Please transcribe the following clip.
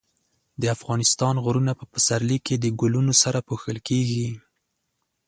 د افغانستان غرونه په پسرلي کې د ګلونو سره پوښل کېږي.